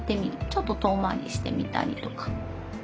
ちょっと遠回りしてみたりとか。